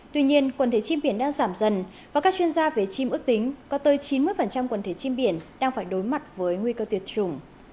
tuy nhiên quần thể chim biển đang giảm dần và các chuyên gia về chim ước tính có tới chín mươi quần thể chim biển đang phải đối mặt với nguy cơ tuyệt chủng